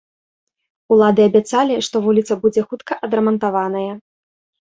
Улады абяцалі, што вуліца будзе хутка адрамантаваная.